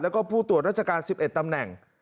แล้วก็ผู้ตรวจราชการ๑๑ตำแหน่ง